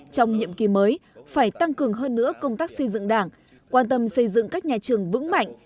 trong nhiệm kỳ mới phải tăng cường hơn nữa công tác xây dựng đảng quan tâm xây dựng các nhà trường vững mạnh